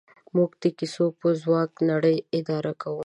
موږ د کیسو په ځواک نړۍ اداره کوو.